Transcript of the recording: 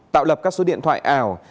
tạo lập các số điện thoại ảo